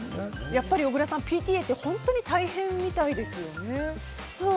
やっぱり小倉さん、ＰＴＡって本当に大変みたいですよね。